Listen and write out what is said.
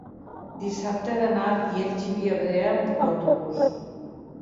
dissabte he d'anar a Riells i Viabrea amb autobús.